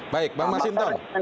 baik bang masinton